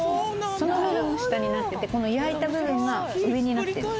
その部分が下になってて焼いた部分が上になってるの